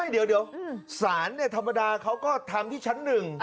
เดี๋ยวสารเนี่ยทำประดาษเขาก็ทำที่ชั้น๑